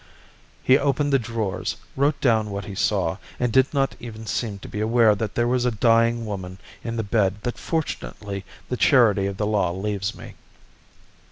He opened the drawers, wrote down what he saw, and did not even seem to be aware that there was a dying woman in the bed that fortunately the charity of the law leaves me.